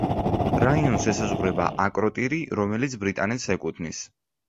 რაიონს ესაზღვრება აკროტირი, რომელიც ბრიტანეთს ეკუთვნის.